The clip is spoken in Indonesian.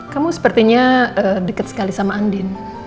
kamu sepertinya dekat sekali sama andin